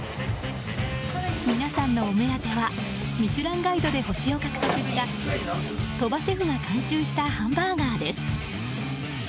皆さんのお目当ては「ミシュランガイド」で星を獲得した鳥羽シェフが監修したハンバーガーです。